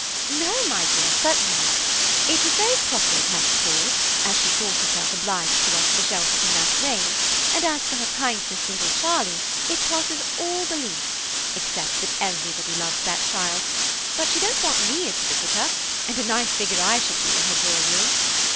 "No, my dear, certainly not. It was very proper of her to call, as she thought herself obliged to us for shelter from that rain, and as for her kindness to little Charlie, it passes all belief, except that everybody loves that child, but she don't want me as a visitor, and a nice figure I should be in her drawing room.